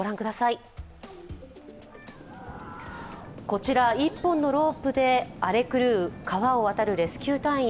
こちら１本のロープで荒れ狂う川を渡るレスキュー隊員。